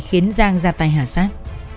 khiến giang ra tay hạ sát